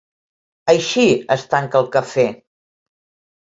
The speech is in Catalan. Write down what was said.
Així es tanca el Cafè.